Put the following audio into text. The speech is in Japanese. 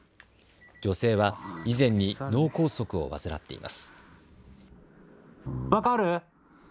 女性は以前に脳梗塞を患っています。